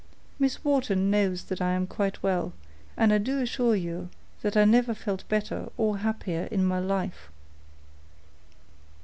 Miss Wharton knows that I am quite well, and I do assure you that I never felt better or happier in my life."